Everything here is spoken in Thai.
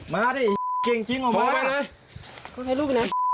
มาด้วยเง่นจริงเอามากพ่อไปด้วย